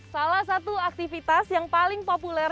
salah satu aktivitas yang paling populer